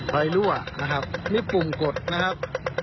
รั่วนะครับนี่ปุ่มกดนะครับ